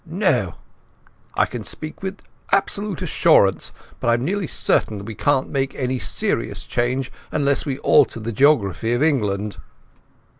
"No? Well, I can't speak with absolute assurance, but I'm nearly certain we can't make any serious change unless we alter the geography of England."